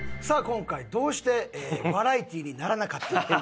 今回どうしてバラエティにならなかったのか？